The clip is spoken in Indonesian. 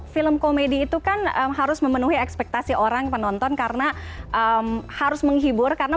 film komedi itu kan harus memenuhi ekspektasi orang penonton karena harus menghibur karena